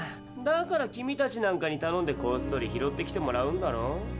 だから君たちなんかにたのんでこっそり拾ってきてもらうんだろ。